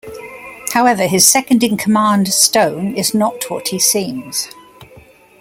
However his second in command Stone is not what he seems.